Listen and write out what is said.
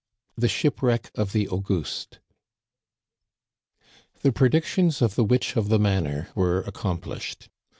THE SHIPWRECK OF THE AUGUSTE. The predictions of the witch of the manor were ac complished.